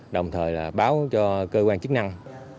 đồng thời là báo cho cơ quan chức năng